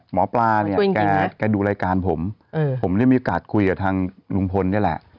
หมอปลาเนี่ยแกดูรายการผมผมได้มีโอกาสคุยกับทางลุงพลนี่แหละ